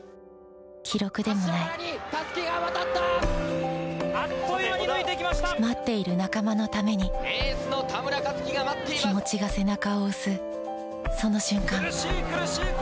記録でもない待っている仲間のために気持ちが背中を押すその瞬間